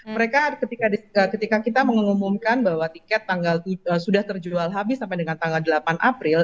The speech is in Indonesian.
mereka ketika kita mengumumkan bahwa tiket sudah terjual habis sampai dengan tanggal delapan april